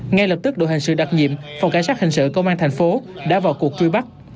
ngay lập tức đội hình sự đặc nhiệm phòng cảnh sát hình sự công an thành phố đã vào cuộc truy bắt